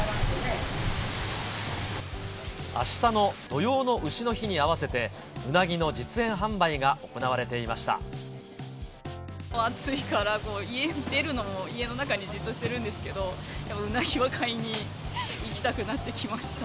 あしたの土用のうしの日にあわせて、うなぎの実演販売が行われて暑いから、家出るのも、家の中でじっとしてるんですけども、うなぎは買いに行きたくなってきました。